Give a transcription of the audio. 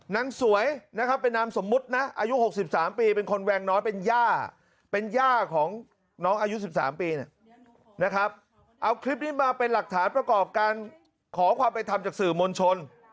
น้องอายุ๑๓ปีนะครับเอาคลิปนี้มาเป็นหลักฐานประกอบการขอความไปทำจากสื่อมณชน